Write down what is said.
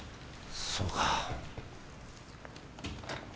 そうか。